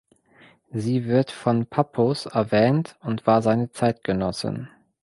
Sie wird von Pappos erwähnt und war seine Zeitgenossin.